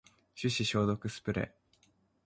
手指消毒スプレー